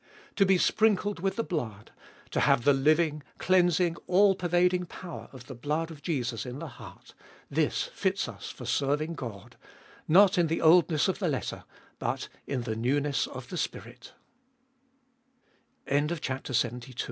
To be sprinkled with the blood, to have the living, cleansing, all pervading power of the blood of Jesus In the heart,— this fits us for serving God, not In the oldness of the letter but In the newness of the Spir